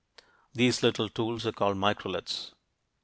These little tools are called "microliths."